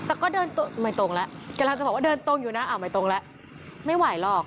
แต่ก็เดินตรงไม่ตรงแล้วกำลังจะบอกว่าเดินตรงอยู่นะอ้าวไม่ตรงแล้วไม่ไหวหรอก